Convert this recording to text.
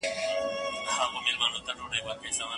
- داود سرمد، شاعر.